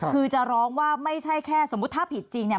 คือจะร้องว่าแม่ช่วยแต่ถ้าผิดจริง